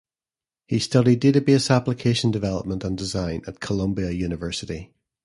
He studied database application development and design at Columbia University.